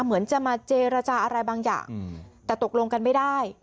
เหมือนจะมาเจรจาอะไรบางอย่างแต่ตกลงกันไม่ได้